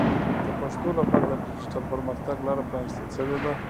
د پښتو لپاره د ډیجیټل پرمختګ لاره پرانیستل شوې ده.